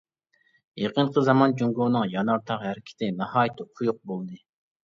يېقىنقى زامان جۇڭگونىڭ يانار تاغ ھەرىكىتى ناھايىتى قويۇق بولدى.